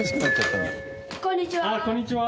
こんにちは。